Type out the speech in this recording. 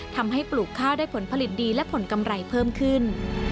ปลูกข้าวได้ผลผลิตดีและผลกำไรเพิ่มขึ้น